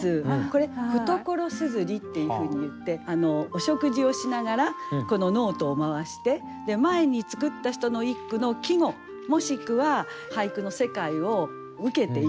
これ「懐硯」っていうふうにいってお食事をしながらこのノートを回して前に作った人の一句の季語もしくは俳句の世界を受けて一句詠むという。